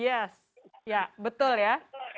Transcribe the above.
yes betul ya